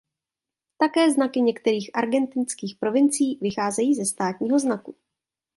Také znaky některých argentinských provincií vycházejí ze státního znaku.